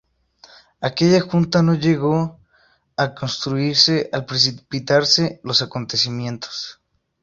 Aquella junta no llegó a constituirse al precipitarse los acontecimientos.